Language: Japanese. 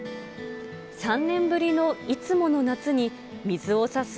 ３年ぶりのいつもの夏に水をさす